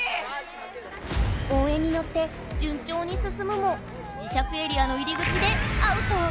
応援にのってじゅんちょうにすすむも磁石エリアの入り口でアウト！